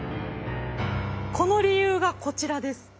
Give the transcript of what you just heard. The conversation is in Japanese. この理由がこちらです。